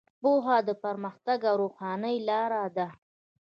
پوهه د پرمختګ او روښنایۍ لاره ده.